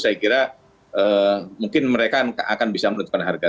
saya kira mungkin mereka akan bisa menentukan harga